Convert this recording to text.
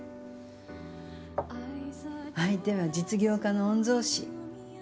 相手は実業家の御曹司。